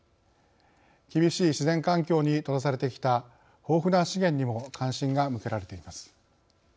厳しい自然環境に閉ざされてきた豊富な資源にも関心が向けられています。